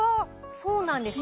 そうなんです。